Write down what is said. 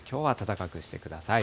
きょう暖かくしてください。